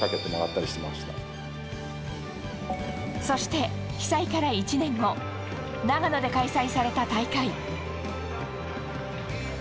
そして、被災から１年後長野で開催された大会。